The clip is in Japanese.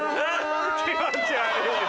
気持ち悪いな。